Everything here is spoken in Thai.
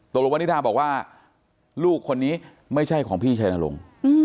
ตกลงวันนิดาบอกว่าลูกคนนี้ไม่ใช่ของพี่ชายนรงค์